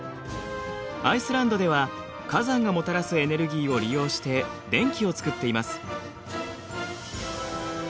アイスランドでは火山がもたらすエネルギーを利用して電気を作っています。